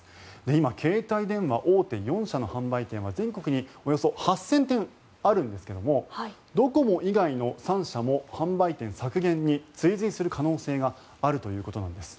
今、携帯電話大手４社の販売店は全国におよそ８０００店あるんですけれどドコモ以外の３社も販売店削減に追随する可能性があるということなんです。